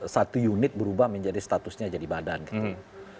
satu unit berubah menjadi statusnya jadi badan gitu